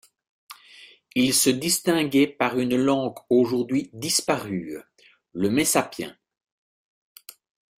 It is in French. Ils se distinguaient par une langue aujourd'hui disparue, le messapien.